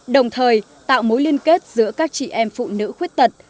đồng thời tạo mối liên kết giữa các chị em phụ nữ khuyết tật